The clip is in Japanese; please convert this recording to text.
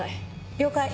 了解。